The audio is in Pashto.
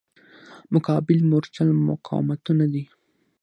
مقابل مورچل مقاومتونه دي.